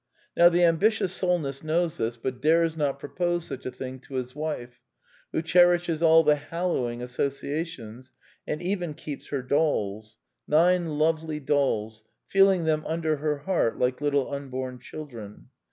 Now the ambitious Solness knows this but dares not pro pose such a thing to his wife, who cherishes all the hallowing associations, and even keeps her dolls : nine lovely dolls, feeling them under her heart, like little unborn children."